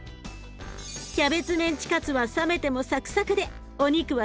キャベツメンチカツは冷めてもサクサクでお肉はしっとり。